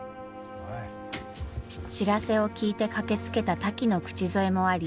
知らせを聞いて駆けつけたタキの口添えもあり